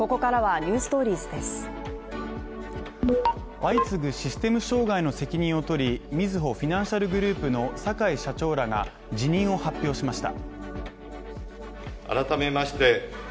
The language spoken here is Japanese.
相次ぐシステム障害の責任を取り、みずほフィナンシャルグループの坂井社長らが辞任を発表しました。